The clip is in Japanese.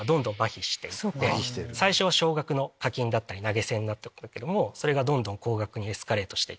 最初は少額の課金だったり投げ銭だったけどもそれがどんどん高額にエスカレートしていく。